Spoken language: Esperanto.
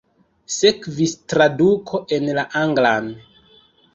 Sekvis traduko en la anglan.